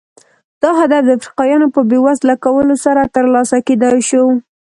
دا هدف د افریقایانو په بېوزله کولو سره ترلاسه کېدای شو.